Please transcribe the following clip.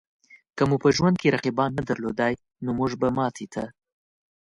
که مو په ژوند کې رقیبان نه درلودای؛ نو مونږ به ماتې ته